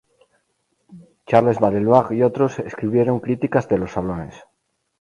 Charles Baudelaire y otros escribieron críticas de los Salones.